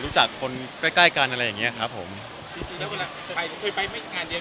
รู้จักคนใกล้ใกล้กันอะไรอย่างเงี้ยครับผมจริงจริงแล้วเวลาเคยไปไม่งานเนี้ย